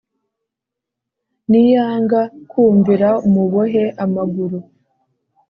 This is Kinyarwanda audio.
niyanga kumvira umubohe amaguru.